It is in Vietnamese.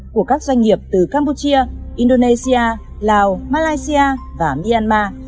của các doanh nghiệp từ campuchia indonesia lào malaysia và myanmar